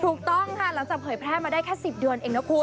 ถูกต้องค่ะหลังจากเผยแพร่มาได้แค่๑๐เดือนเองนะคุณ